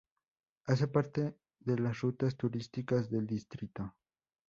Hace parte de las rutas turísticas del distrito.